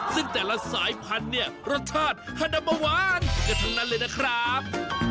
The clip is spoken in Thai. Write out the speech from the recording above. ซึ่งแต่ละสายพันธุ์เนี่ยรสชาติฮาดำเบอร์วานกันทั้งนั้นเลยนะครับ